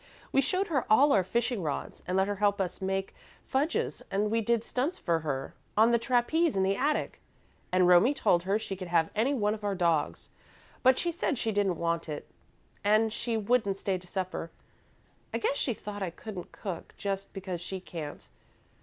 We showed her all our fishing rods, and let her help us make fudges, and we did stunts for her on the trapeze in the attic, and Romie told her she could have any one of our dogs, but she said she didn't want it, and she wouldn't stay to supper. I guess she thought I couldn't cook just because she can't.